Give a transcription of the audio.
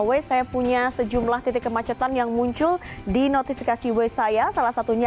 way saya punya sejumlah titik kemacetan yang muncul di notifikasi way saya salah satunya